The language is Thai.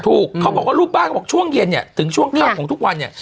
ถูกเขาบอกว่าลูกบ้านช่วงเย็นเนี่ยถึงช่วงคลับของทุกวันเนี่ย